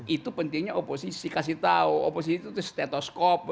itu pentingnya oposisi kasih tau oposisi itu tuh stetoskop